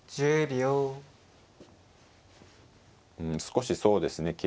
うん少しそうですね